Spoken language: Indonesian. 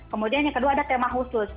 kemudian yang kedua ada tema khusus